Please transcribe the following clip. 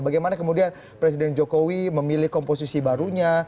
bagaimana kemudian presiden jokowi memilih komposisi barunya